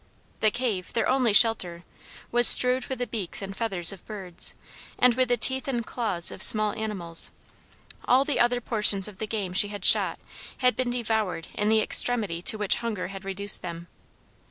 The cave, their only shelter, was strewed with the beaks and feathers of birds, and with the teeth and claws of small animals; all the other portions of the game she had shot had been devoured in the extremity to which hunger had reduced them.